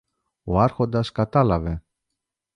Ο Άρχοντας κατάλαβε.